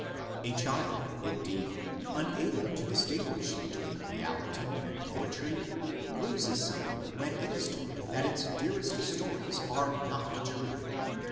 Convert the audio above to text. A child, indeed, unable to distinguish between reality and poetry, loses something when it is told that its dearest stories are "not true."